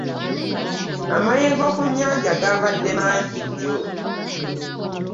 Amayengo ku nnyanja gaabadde mangi jjo.